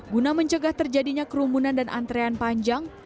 guna mencegah terjadinya kerumunan dan antrean panjang